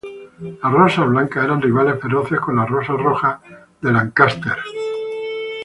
Las Rosas Blancas eran rivales feroces con las Rosas Rojas de Lancaster próximas.